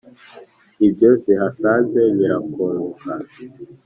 ibyo zihasanze birakongoka.